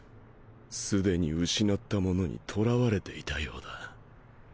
すでに失ったものに囚われていたようだ。